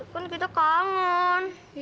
kan kita kangen